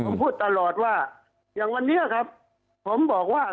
ผมพูดตลอดว่าอย่างวันนี้ครับผมบอกว่า